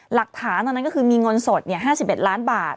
หลักฐานตอนนั้นก็คือมีเงินสด๕๑ล้านบาท